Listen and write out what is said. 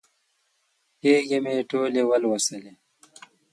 کېږې مې ټولې ولوسلې.